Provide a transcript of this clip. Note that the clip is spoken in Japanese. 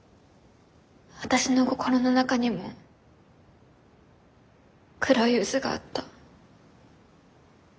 私の心の中にも黒い渦があった。